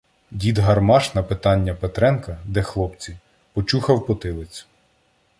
Дід Гармаш на питання Петренка, де хлопці, почухав потилицю.